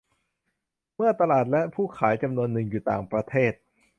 เมื่อตลาดและผู้ขายจำนวนหนึ่งอยู่ต่างประเทศ